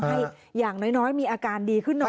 อย่างน้อยมีอาการดีขึ้นหน่อย